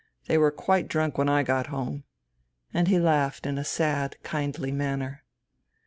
They were quite drunk when I got home." And he laughed in a sad, kindly manner.